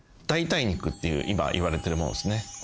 代替肉っていう今いわれてるものですね。